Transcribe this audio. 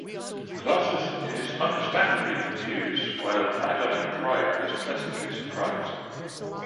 Colossus is understandably confused while Madelyne Pryor is pleasantly surprised.